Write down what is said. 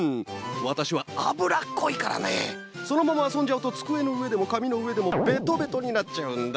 わたしはあぶらっこいからねそのままあそんじゃうとつくえのうえでもかみのうえでもベトベトになっちゃうんだ。